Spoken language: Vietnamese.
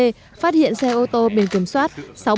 phát hiện xe ô tô bình kiểm soát